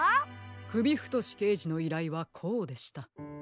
くびふとしけいじのいらいはこうでした。